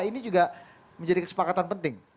ini juga menjadi kesepakatan penting